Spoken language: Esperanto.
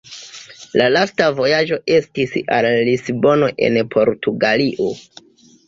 La lasta vojaĝo estis al Lisbono en Portugalio.